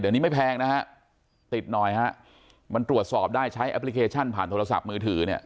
เดี๋ยวนี้ไม่แพงนะฮะติดหน่อยฮะมันตรวจสอบได้ใช้แอปพลิเคชันผ่านโทรศัพท์มือถือเนี่ย